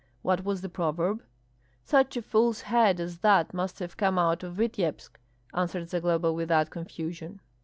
"What was the proverb?" "Such a fool's head as that must have come out of Vityebsk!" answered Zagloba, without confusion.